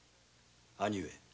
兄上！